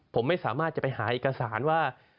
ผมไม่สามารถจะไปหาเอกสารว่า